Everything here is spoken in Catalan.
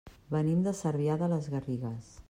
Venim de Cervià de les Garrigues.